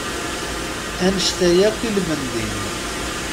Annect-a yark, ilmend-im!